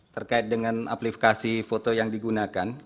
terkait dengan aplikasi foto yang digunakan